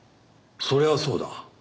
そりゃそうだ。